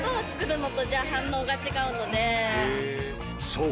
そう